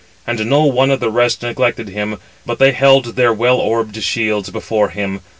And no one of the rest neglected him, but they held their well orbed shields before him.